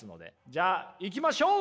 じゃあいきましょう！